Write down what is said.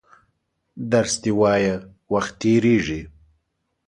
درس دي وایه وخت تېرېږي!